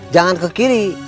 jangan ke kiri